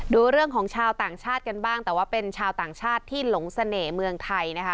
ดูเรื่องของชาวต่างชาติกันบ้างแต่ว่าเป็นชาวต่างชาติที่หลงเสน่ห์เมืองไทยนะคะ